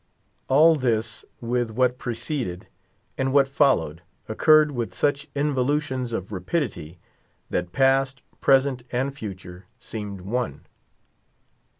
All this, with what preceded, and what followed, occurred with such involutions of rapidity, that past, present, and future seemed one.